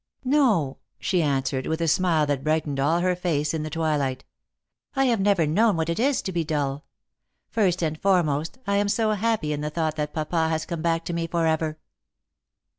" No," she answered, with a smile that brightened all her face in the twilight; " I have never known what it is to be dull. First and foremost, I am so happy in the thought that papa has come back to me for ever."